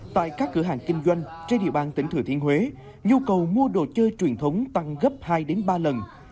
tại các cửa hàng kinh doanh trên địa bàn tỉnh thừa thiên huế nhu cầu mua đồ chơi truyền thống tăng gấp hai ba lần